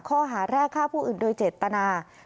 ข้อหาแรกฆ่าผู้อื่นโดยเจตนา